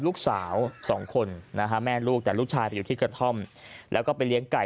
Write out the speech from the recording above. ลูกสาวสองคนนะฮะแม่ลูกแต่ลูกชายไปอยู่ที่กระท่อมแล้วก็ไปเลี้ยงไก่